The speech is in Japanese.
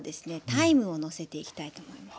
タイムをのせていきたいと思います。